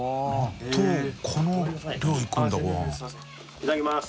いただきます。